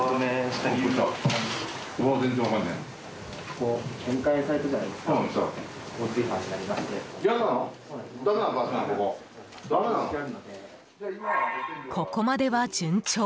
ここまでは順調。